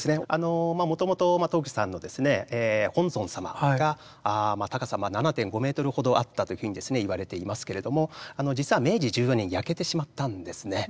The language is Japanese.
もともと東福寺さんの本尊様が高さ７．５メートルほどあったというふうに言われていますけれども実は明治１４年に焼けてしまったんですね。